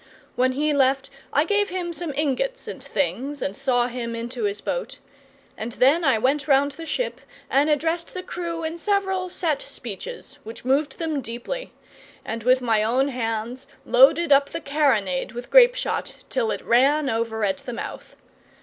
When he left I gave him some ingots and things, and saw him into his boat; and then I went round the ship and addressed the crew in several set speeches, which moved them deeply, and with my own hands loaded up the carronade with grape shot till it ran over at the mouth.